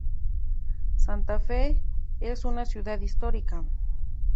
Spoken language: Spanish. Santa Fe es una ciudad histórica.